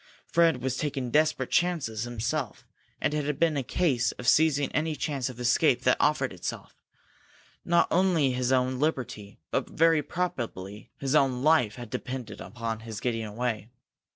Fred was taking desperate chances himself, and it had been a case of seizing any chance of escape that offered itself. Not only his own liberty, but very probably his own life had depended upon his getting away.